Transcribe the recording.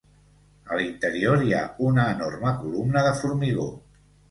A l'interior hi ha una enorme columna de formigó.